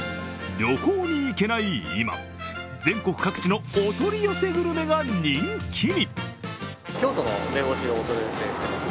旅行に行けない今、全国各地のお取り寄せグルメが人気に。